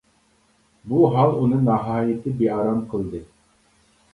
بۇ ھال ئۇنى ناھايىتى بىئارام قىلدى.